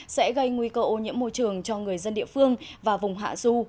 sẽ gây nguy cơ ô nhiễm môi trường cho người dân địa phương và vùng hạ du